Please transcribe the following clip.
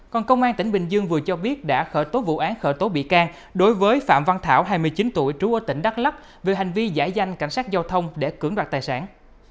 còn công an tỉnh bình dương vừa cho biết đã khởi tố vụ án khởi tố bị can đối với phạm văn thảo hai mươi chín tuổi trú ở tỉnh đắk lắc về hành vi giải danh cảnh sát giao thông để cưỡng đoạt tài sản